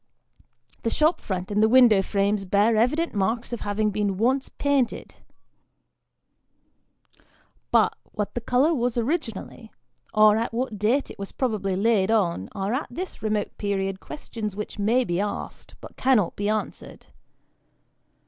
The shop front and the window frames bear evident marks of having been once painted ; but, what the colour was originally, or at what date it was probably laid on, are at this remote period questions which may be asked, but cannot be answered.